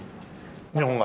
日本が？